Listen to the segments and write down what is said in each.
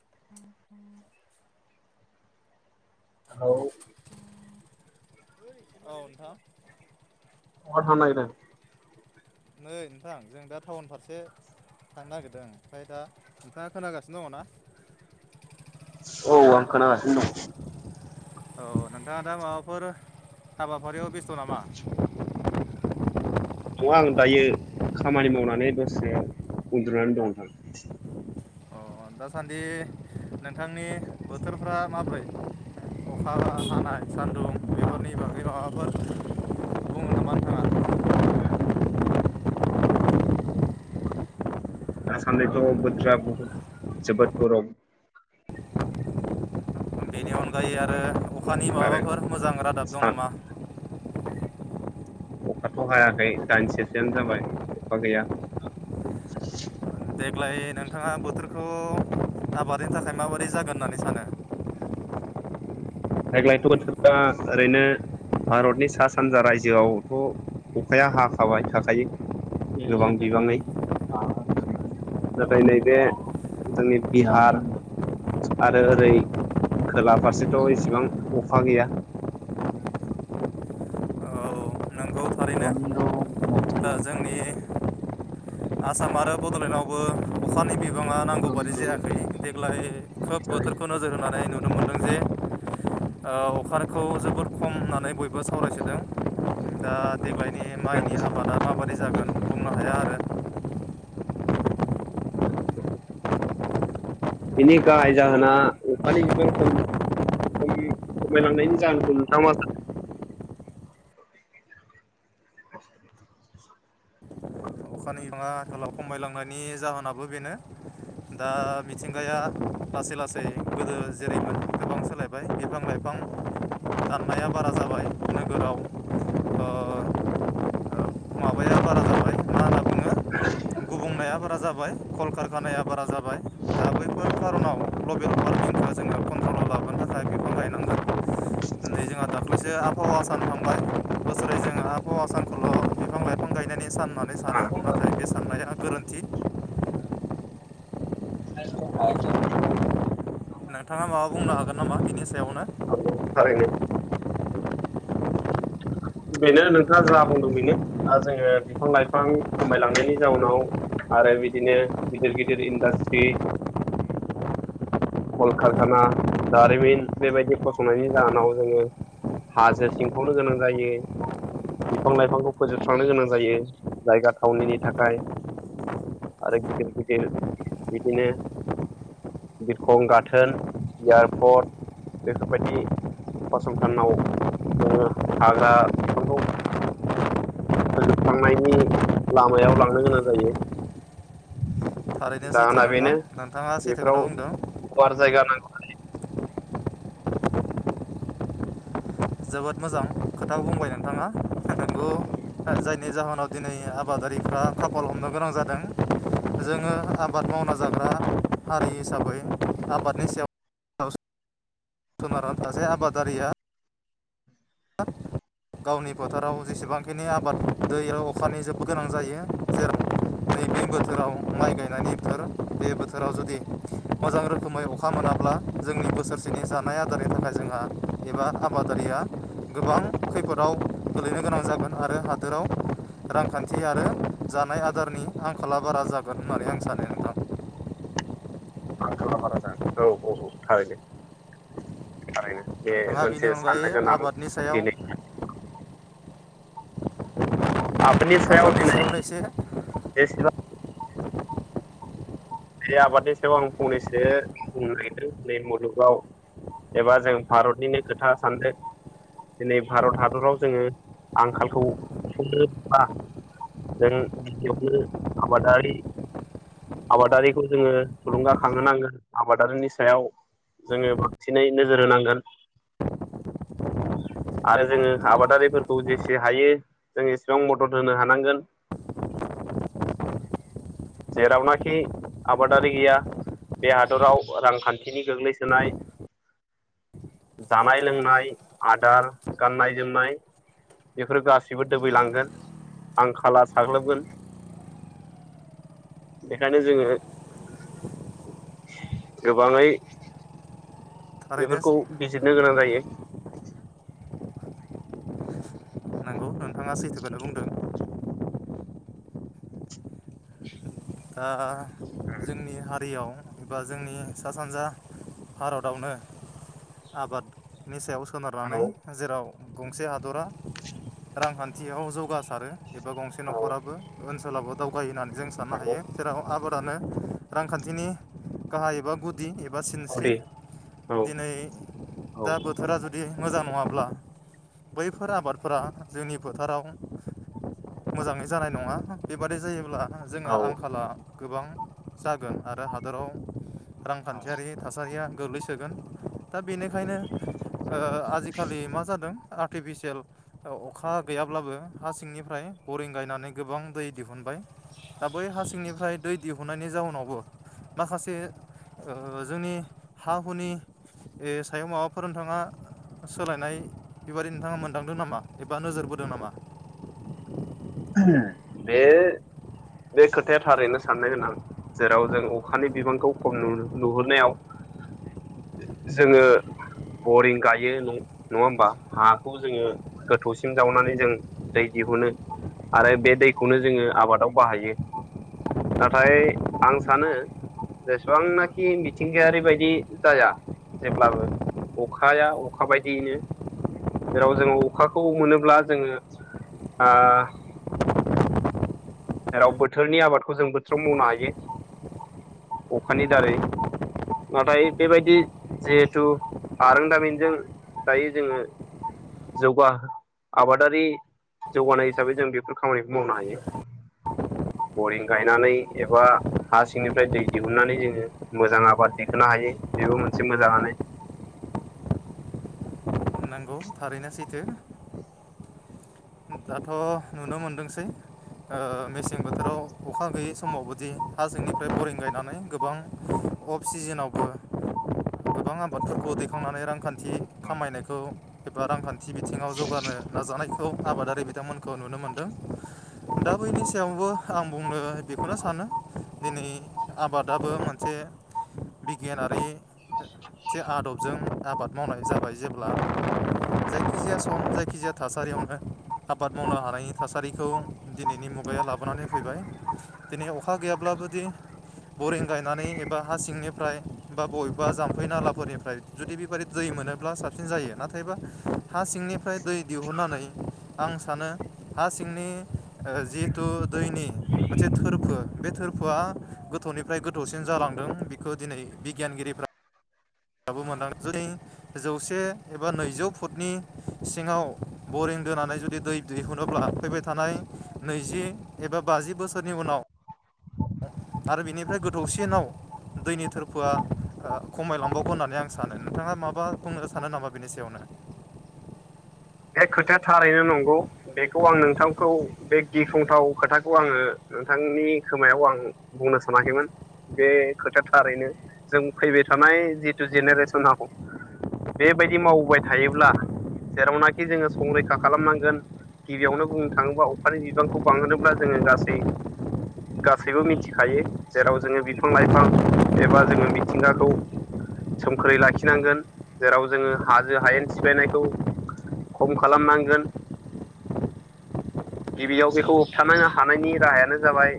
[inaudible] औ औ नोंथां बहा थांनो नागिरदों! नै नोंथां जों दा टाउन फारसे थांनो नागिरदों। ओमफाय दा नोंथाङा खोनागासिनो दङ ना? औ आं खोनागासिनो दं औ नोंथाङा दा माबाफोर हाबाफारियाव बेस्थ' नामा? नङा आं दायो खामानि मावनानै दसे उन्दुनानै दं नोंथां । अ दासान्दि नोंथांनि बोथोरफ्रा माब्रै? अखा हानाय सान्दुं बेफोरनि बागै माबाफोर बुङो नामा नोंथाङा? दासान्दिथ' बोथोरा बहुद जोबोद गरम । बिनि अनगायै आरो अखानि आरो माबाफोर मोजां रादाब दं सा नामा? अखाथ' हायाखै दाइनसेसोआनो जाबाय अखा गैया । देग्लाय नोंथाङा बोथोरखौ आबादनि थाखाय माबोरै जागोन होननानै सानो? देग्लायथ' दा ओरैनो भारतनि सा सानजा रायजोआवथ' अखाया हाखाबाय थाखायो गोबां बिबाङै नाथाय नैबे जोंनि बिहार आरो ओरै खोला फारसे थ' इसेबां अखा गैया औ नंगौ थारैनो रन्द दा मनसरि जोंनि आसाम आरो बड'लेण्डआवबो अखानि बि बाङा नांगौ बादि जायाखै देग्लाय खोब बोथोरखौ नोजोर होनानै नुनो मोनदों जे ओ अखाखौ जोबोद खम होननानै बयबो सावरायसोदों। दा देग्लायनि माइनि आबादा माबायदि जागोन बुंनो हाया आरो । [inaudible] बिनि गाहाय जाहोना अखानि बिबां खम खम खमायलांनायनि जाहोनखौ नोंथाङा मा सानो? [unintelligible] अखानि बिबाङा थलाव खमायलांनायनि जाहोनाबो बेनो दा मिथिंगाया लासै लासै गोदो जेरैमोन गोबां सोलायबाय बिफां लाइफां दाननाया बारा जाबाय नोगोराव माबाया बारा जाबाय मा होन [inaudible] गुबुंनाया बारा जाबाय कलकारखानाया बारा जाबाय जाबाय दा बैफोर खार'नाव ग्लबेल वार्मिंखौ जोङो कन्ट्रलाव लाबोनो थाखाय बिफां गायनांगोन दिनै जोंहा दाख्लैसो आबहावा सान थांबाय बोसोरै जोङो आबहावा सानखौल' बिफां लाइफां गायनायनि सान नानै सानो नाथाय बे साननाया [unintelligible] गोरोन्थि [unintelligible] नोंथाङा माबा बुंनो हागोन नामा बिनि सायाव? [unintelligible] बेनो नोंथाङा जा बुंदों बेनो दा जोङो बिफां लाइफां खमायलांनायनि जाउनाव आरो बिदिनो गिदिर गिदिर इन्डास्ट्रि कलकारखाना दारिमिन बेबायदि फसंनायनि जाहोनाव जोङो हाजो सिंखावनो गोनां जायो बिफां लाइफांखौ फोजोबस्रांनो गोनां जायो जायगा थावनिनि थाखाय आरो गिदिर गिदिर बिदिनो खं गाथोन इयारपर्ट बेफोरबायदि फसंथानाव जोङो ओ हाग्रा बिफांखौ फोजोबख्रांनायनि लामायाव लांनो गोनां जायो । थारैनो सैथो नोंथां नोंथाङा सैथो बेफोराव खोना बुंदों । गुवार जायगा नांगौ जोबोद मोजां खोथाखौ बुंबाय नोंथाङा नोंगौ जायनि जाहोनाव दिनै आबादारिफ्रा खाफाल हमनो गोनां जादों । जोङो आबाद मावना जाग्रा हारि हिसाबै आबादनि सायाव सोनारना थाजाया आबादारिया गावनि फोथोराव जेसेबांखिनि आबाद दैयाव अखानि जोबोद गोनां जायो जेराव नैबे बोथोराव माइ गायनायनि बोथोर बे बोथोराव जुदि मोजां रोखोमै अखा मोनाब्ला जोंनि बोसोरसेनि जानाय आदारनि थाखाय जोंहा एबा आबादारिया गोबां खैफोदाव गोलैनो गोनां जागोन आरो हादोराव रांखान्थि आरो जानाय आदारनि आंखाला बारा जागोन होननानै आं सानो नोंथां आंखाला बारा जागोन औ औ औ थारैनो थारैनो बे नोंथाङा मोनसे बेनि साननो अनगायै गोनां आबादनि सायाव दिनै आब निसायाव फंनैसो [unintelligible] बे आबादनि सायाव आं फंनैसो बुंनो नागिरदों दिै मुलुगाव एबा जों भारतनिनो खोथा सानदो‌ दिनै भारत हादराव जोङो आंखालखौ सुफुंनोबा जों गिबियावनो आबादारि आबादारिखौ जोङो थुलुंगाखांहोनांगोन आबादारिनि सायाव जोङो बांसिनै नोजोर होनांगोन आरो जोङो आबादारिफोरखौ जेसे हायो जों एसेबां मदद होनो हानांगोन जेरावनाखि आबादारि गैया बे हादराव रांखान्थिनि गोग्लैसोनाय जानाय लोंनाय आदार गाननाय जोमनाय बेफोर गासैबो दोबैलांगोन आंखाला साग्लोबगोन बेखायनो जोङो गोबाङै थारैनो बेफोरखौ बिजिरनो गोनां जायो नंगौ नोंथाङा सैथोखौनो बुंदों दा जोंनि हा दैयाव बा जोंनि सा सानजा भारतावनो आबादनि सायाव सा नारनानै औ जेराव गंसे हादरा रांखान्थियाव जौगासारो एबा गंसे न'खराबो ओनसोलावबो दावगायो होननानै जों साननो हायो आबादानो रांखान्थिनि गाहाय एबा गुद दि एबा औ सिनस्रि दे औ दिनै औ दा बोथोरा जुदि मोजां नङाब्ला बैफोर आबादफोरा जोंनि फोथाराव मोजाङै जानाय नङा बेबादि जायोब्ला जोङो आं औ गोबां जागोन आरो हादराव रांखान्थियारि थासारिया गोग्लैसोगोन दा बेनिखायनो ओ आजिखालि मा जादों आर्टिफिसियेल ओ अखा गैयाब्लाबो हा सिंनिफ्राय बरिं गायनानै गोबां दै दिहुनबाय बै हा सिंनिफ्राय दै दिहुननायनि जाउनावबो माखासे ओ जोंनि हा हुनि सायाव माबाफोर नोंथाङा सोलायनाय बेबादि नोंथाङा मोनदांदों नामा एबा नोजोरबोदों नामा बे बे खोथाया थारैनो साननो गोनां जेराव जों अखानि बिबांखौ खम नुहुरनायाव जोङो बरिं गायो नङा होमबा हाखौ जोङो गोथौसिम जावनानै जों दै दिहुनो आरो बे दैखौनो जोङो आबादाव बाहायो नाथाय आं सानो जेसेबांनाखि मिथिंगायारि बायदि जाया जेब्लाबो अखाया अखा बायदियैनो जेराव जोङो अखाखौ मोनोब्ला जोङो आ जेराव बोथोरनि आबादखौ जों बोथोराव मावनो हायो अखानि दारै नाथाय बेबायदि जिहेथु आरोंदामिनजों दायो जोङो जौगा आबादारि जौगानाय हिसाबै जों बेफोर खामानिखौ मावनो हायो बरिं गायनानै एबा हा सिंनिफ्राय दै दिहुनन्नानै जोङो मोजां आबाद दिखोनो हायो बेबो मोनसे मोजाङानो थानांगौ थारैनो सैथो दाथ' नुनो मोनदोंसै ओ मेसें ओ बोथोराव अखा गैयै समावबोदि हाजोंनिफ्राय बरिं गायनानै गोबां अफ सिजोनावबो गोबां आबादफोरखौ दैखांनानै रांखान्थि थि खामायनायखौ एबा रांखान्थि बिथिङाव जौगानो नाजानायखौ आबादारि बिथांमोनखौ नुनो मोनदों दा बैनि सायावबो आं बुंनो बेखौनो सानो दिनै आबादाबो मोनसे बिगियानारिसे आदबजों आबाद मावनाय जाबाय जेब्ला जायखिजाया सम जायखिजाया थासारियावनो आबाद मावनो हानायनि थासारिखौ दिनैनि मुगाया लाबोनानै होफैबाय दिनै अखा गैयाब्लाबोदि बरिं गायनानै एबा हा सिंनिफ्राय बा बबेबा जाम्फै नालाफोरनिफ्राय जुदि बेबादि दै मोनोब्ला साबसिन जायो नाथायबा हा सिंनिफ्राय दै दिहुननानै आं सानो हा सिंनि ओ जिहेथु दैनि मोनसे थोरफो बे थोरफोआ गोथौनिफ्राय गोथौसिन जालांदों बेखौ दिनै बिगियानगिरिफ्रा [unintelligible] जेरै जौसे एबा नैजौ फुटनि सिङाव बरिं दोनानै जुदि दै दिहुनोब्ला फैबाय थानाय नैजि एबा बाजि बोसोरनि उनाव आरो बिनिफ्राय गोथौसिनाव दैनि थोरफोआ ओ खमायलांबावगोन होननानै आं सानो नोंथाङा माबा बुंनो सानो नामा बिनि सायावनो बे खोथाया थारैनो नंगौ बेखौ आं नोंथांखौ बे गिख्रंथाव खोथाखौ आङो नोंथांनि खोमायाव आं बुंनो सानाखैमोन बे खोथाया थारैनो जों फैबाय थानाय जिथु जेनेरेसन आव बेबायदि मावबोबाय थायोब्ला जेरावनाखि जोङो संरैखा खालामनांगोन गिबियावनो बुंनो थाङोबा अखानि बिबांखौ बांहोनोब्ला जोङो गासै गासैबो मिथिखायो जेराव जोङो बिफां लाइफां एबा जोङो मिथिंगाखौ सोमखोरै लाखिनांगोन जेराव जोङो हाजो हायेन सिफायनायखौ खम खालामनांगोन गिबियाव बेखौ होबथानो हानायनि राहायानो जाबाय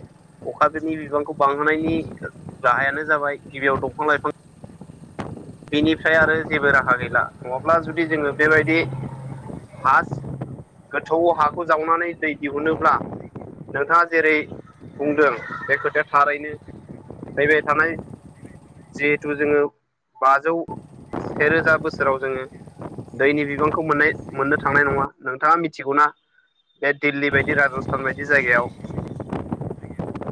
अखाफोरनि बिबांखौ बांहोनायनि राहायानो जाबाय गिबियाव दंफां-लाइफां बिनिफ्राय आरो जेबो राहा गैला नङाब्ला जुदि जोङो बेबायदि हा गोथौआव हाखौ जावनानै दै दिहुनोब्ला नोंथाङा जेरै बुंदों बे खोथाया थारैनो फैबाय थानाय जिहेथु जोङो बाजौ सेेरोजा बोसोराव जोङो दैनि बिबांखौ मोननाय मोननो थांनाय नङा नोंथाङा मिथिगौना बे दिल्ली बायदि राजस्थान बायदि जायगायाव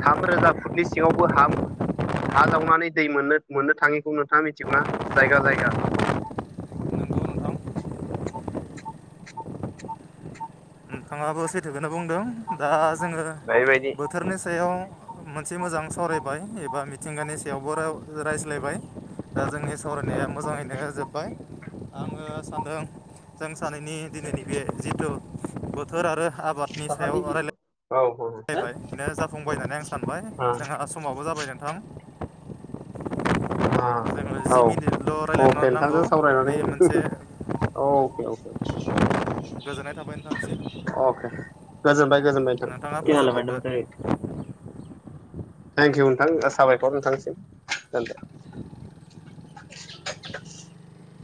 थाम रोजा फुटनि सिङावबो हा हा जावनानै दै मोननो मोननो थाङिखौ थाङा मिनथिगौना जायगा जायगा नंगौ नोंथां नोंथाङाबो सैथोखौनो बुंदों दा जोङो बेबायदि बोथोरनि सायाव मोनसे मोजां सावरायबाय एबा मिथिंगानि सायावबो राव रायज्लायबाय दा जोंनि सावरायनाया मोजाङैनो जोब्बाय आङो सानदों जों सानैनि दिनैनि बे जिथु बोथोर आरो आबादनि सायाव औ रायलाय लायबाय बेनो जाफुंबाय होननानै आं सानबाय औ जोंहा समाबो जाबाय नोंथां। जोङो ओ जि औ मिनिटल' रायलायनो अके नांगौ नोंथांजों बे सावरायनानै मोनसे [unintelligible] अ [inaudible] गोजोननाय थाबाय नोंथांनिसिम। गोजोन बाय [unintelligible] थेंकिउ नोंथां साबायखर नोंथांसिम [unintelligible]